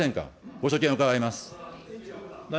ご所見を伺います。